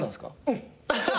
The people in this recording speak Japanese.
うん。